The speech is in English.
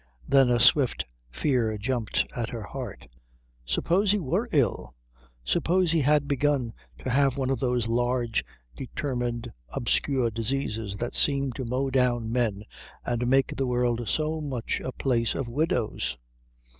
Then a swift fear jumped at her heart suppose he were ill? Suppose he had begun to have one of those large, determined, obscure diseases that seem to mow down men and make the world so much a place of widows?